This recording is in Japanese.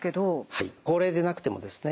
高齢でなくてもですね